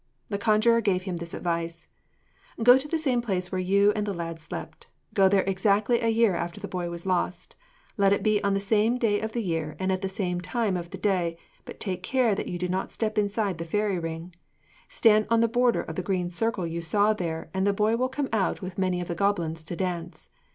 The conjuror gave him this advice: 'Go to the same place where you and the lad slept. Go there exactly a year after the boy was lost. Let it be on the same day of the year and at the same time of the day; but take care that you do not step inside the fairy ring. Stand on the border of the green circle you saw there, and the boy will come out with many of the goblins to dance.